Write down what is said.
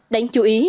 đáng chú ý